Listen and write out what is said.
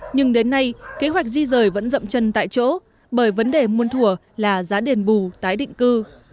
nhưng đến nay kế hoạch di rời vẫn rậm chân tại chỗ bởi vấn đề muôn thủa là giá đền bù tái định cư